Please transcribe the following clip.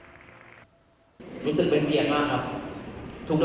รู้สึกเป็นเกียรติมากครับ